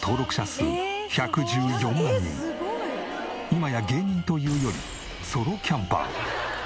今や芸人というよりソロキャンパー。